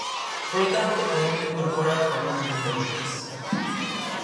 Polo tanto, podémolo incorporar como un punto máis.